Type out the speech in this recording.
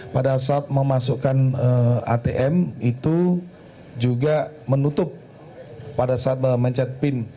pada saat memasukkan atm itu juga menutup pada saat mencet pin